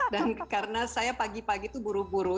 dan karena saya pagi pagi itu buru buru